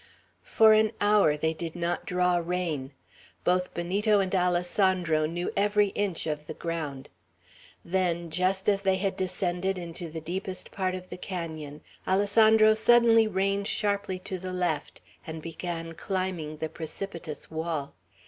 For an hour they did not draw rein. Both Benito and Alessandro knew every inch of the ground. Then, just as they had descended into the deepest part of the canon, Alessandro suddenly reined sharply to the left, and began climbing the precipitous wall.